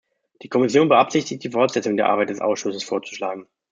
Die Kommission beabsichtigt, die Fortsetzung der Arbeit des Ausschusses vorzuschlagen.